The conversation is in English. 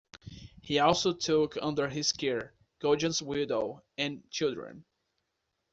He also took under his care Goujon's widow and children.